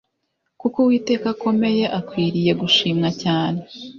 Kuko uwiteka akomeye akwiriye gushimwa cyane